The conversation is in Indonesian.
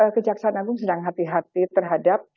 kejaksaan agung sedang hati hati terhadap